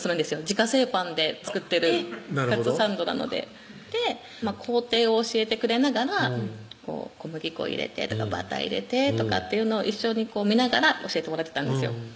自家製パンで作ってる「カツサンド」なので工程を教えてくれながら小麦粉入れてとかバター入れてとかっていうのを一緒に見ながら教えてもらってたんですよ